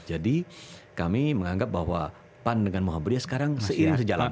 jadi kami menganggap bahwa pan dengan muhammadiyah sekarang seiring sejalan